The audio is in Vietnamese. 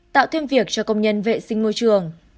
tạo thêm việc cho công nhân vệ sinh môi trường